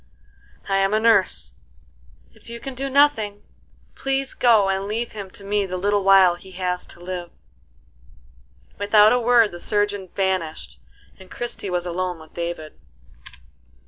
"I am a nurse. If you can do nothing, please go and leave him to me the little while he has to live." Without a word the surgeon vanished, and Christie was alone with David.